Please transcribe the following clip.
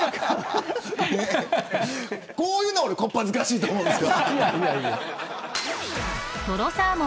こういうのが俺こっぱずかしいと思うんです。